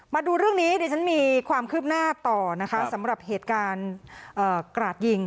มาดูเรื่องนี้ดิฉันมีความคืบหน้าต่อนะคะสำหรับเหตุการณ์กราดยิง